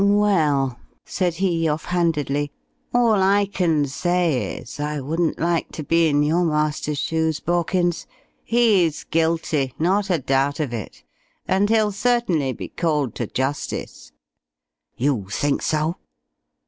"Well," said he, off handedly, "all I can say is, I wouldn't like to be in your master's shoes, Borkins. He's guilty not a doubt of it; and he'll certainly be called to justice." "You think so?"